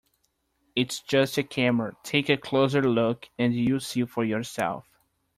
It's just a camera, take a closer look and you'll see for yourself.